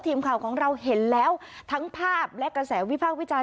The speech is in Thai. ทีมข่าวของเราเห็นแล้วทั้งภาพและกระแสวิพากษ์วิจารณ